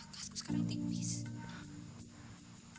kasku sekarang tipis